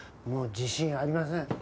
もう自信ありません。